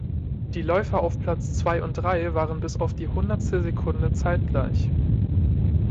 Die Läufer auf Platz zwei und drei waren bis auf die Hundertstelsekunde zeitgleich.